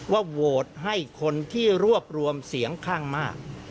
ว่าโหวตให้คนที่รวบรวมเสียงข้างมาก